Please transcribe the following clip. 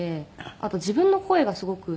あと自分の声がすごく好きで。